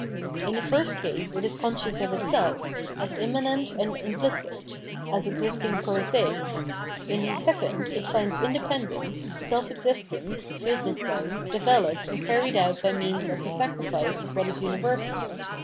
In the first case it is conscious of itself, as immanent and imphcit, as existing 'per se / in the second it fihids independence, self existence {Riirsichseyn) developed and carried out by means of the sacrifice of what is universal.